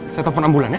saya telfon ambulan ya